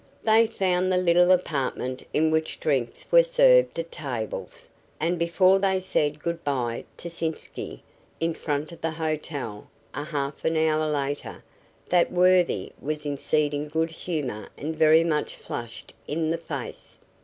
They found the little apartment in which drinks were served at tables, and before they said good by to Sitzky in front of the hotel, a half hour later, that worthy was in exceeding good humor and very much flushed in the face.